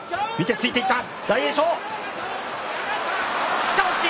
突き倒し。